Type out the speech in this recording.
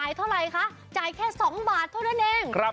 เท่าไรคะจ่ายแค่๒บาทเท่านั้นเอง